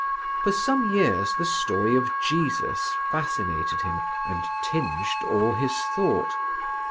For some years, the story of Jesus fascinated him and tinged all his thought.